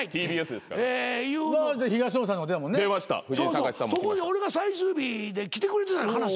そうそうそこに俺が最終日で来てくれてた話が。